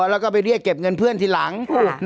แล้วก็ไปเรียกเก็บเงินเพื่อนทีหลัง